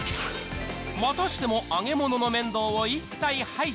またしても揚げ物の面倒を一切排除。